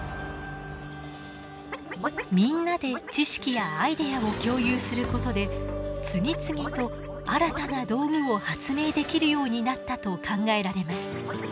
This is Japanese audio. みんなで知識やアイデアを共有することで次々と新たな道具を発明できるようになったと考えられます。